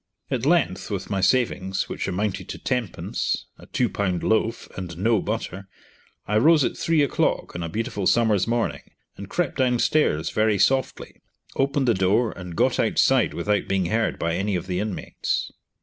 At length, with my savings, which amounted to tenpence, a two pound loaf, and no butter, I rose at three o'clock on a beautiful summer's morning and crept down stairs very softly, opened the door and got outside without being heard by any of the inmates.